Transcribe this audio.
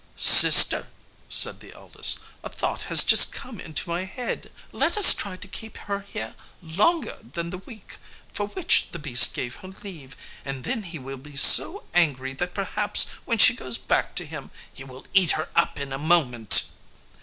"Sister," said the eldest, "a thought has just come into my head: Let us try to keep her here longer than the week for which the beast gave her leave, and then he will be so angry that perhaps when she goes back to him he will eat her up in a moment."